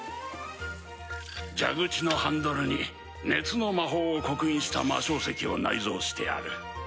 蛇口のハンドルに熱の魔法を刻印した魔晶石を内蔵してある。